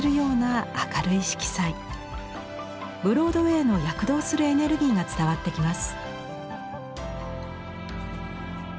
ブロードウェイの躍動するエネルギーが伝わってきます。